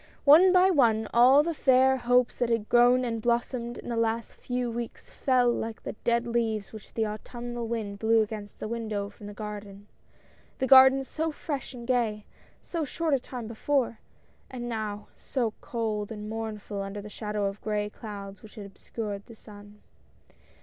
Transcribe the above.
One by one all the fair hopes that had grown and blossomed in the last few weeks, fell like the dead leaves which the autumnal wind blew against the window from the garden — the garden so fresh and gay, so short a time before — and now so cold and mournful, under the shadow of gray clouds which had obscured the sun.